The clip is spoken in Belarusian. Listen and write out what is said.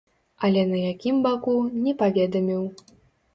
Але на якім баку, не паведаміў.